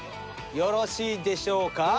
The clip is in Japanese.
よろしいでしょうか？